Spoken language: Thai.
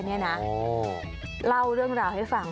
นี่นะเล่าเรื่องราวให้ฟัง